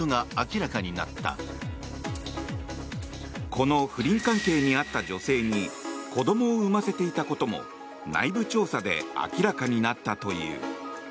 この不倫関係にあった女性に子どもを産ませていたことも内部調査で明らかになったという。